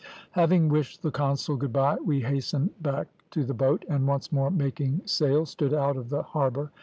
"Having wished the consul good bye we hastened back to the boat, and once more making sail, stood out of the harbour.